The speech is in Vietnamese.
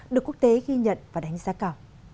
được quốc tế ghi nhận và đánh giá cả